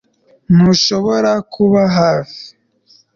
Ntushobora kuba hafi